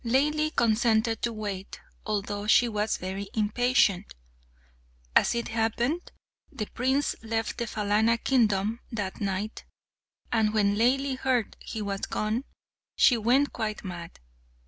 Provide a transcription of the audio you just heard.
Laili consented to wait, although she was very impatient. As it happened, the prince left the Phalana kingdom that night, and when Laili heard he was gone, she went quite mad.